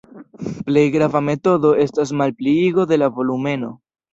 Plej grava metodo estas la malpliigo de la volumeno.